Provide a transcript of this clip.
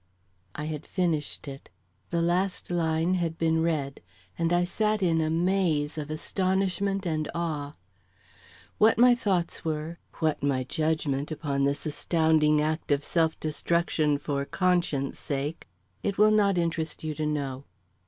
I had finished it; the last line had been read, and I sat in a maze of astonishment and awe. What my thoughts were, what my judgment upon this astounding act of self destruction for conscience sake, it will not interest you to know.